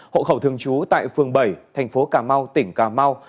hộ khẩu thường trú tại phường bảy thành phố cà mau tỉnh cà mau